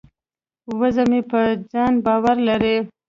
وزه مې په ځان باور لري.